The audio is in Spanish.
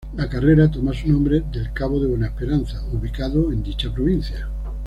La carrera toma su nombre del Cabo de Buena Esperanza ubicado en dicha provincia.